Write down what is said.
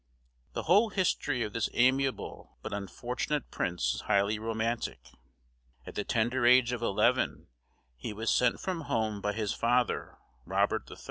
The whole history of this amiable but unfortunate prince is highly romantic. At the tender age of eleven, he was sent from home by his father, Robert III.